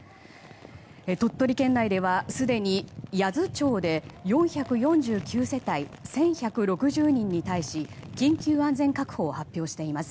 鳥取県内ではすでに八頭町で４４９世帯１１６０人に対し緊急安全確保を発表しています。